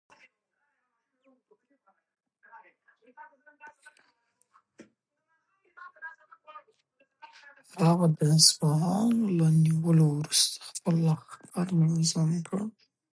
هغه د اصفهان له نیولو وروسته خپل لښکر منظم کړ.